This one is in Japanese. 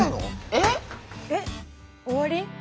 えっ終わり？